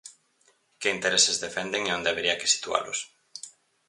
Que intereses defenden e onde habería que situalos.